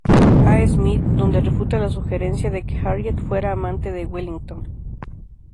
A. Smith, donde refuta la sugerencia de que Harriet fuera amante de Wellington.